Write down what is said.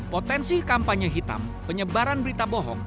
potensi kampanye hitam penyebaran berita bohong